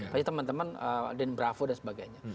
tapi teman teman den bravo dan sebagainya